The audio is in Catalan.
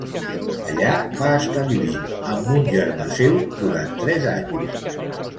Allí va estar vivint amb un germà seu durant tres anys.